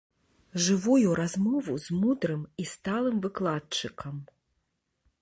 Жывую размову з мудрым і сталым выкладчыкам.